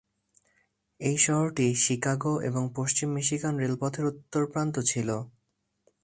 এই শহরটি শিকাগো এবং পশ্চিম মিশিগান রেলপথের উত্তর প্রান্ত ছিল।